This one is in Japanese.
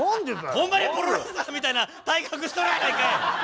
ホンマにプロレスラーみたいな体格しとるやないかい！